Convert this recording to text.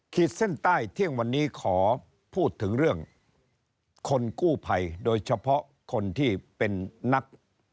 เส้นใต้เที่ยงวันนี้ขอพูดถึงเรื่องคนกู้ภัยโดยเฉพาะคนที่เป็นนัก